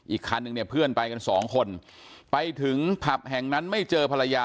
อีกคันนึงเนี่ยเพื่อนไปกันสองคนไปถึงผับแห่งนั้นไม่เจอภรรยา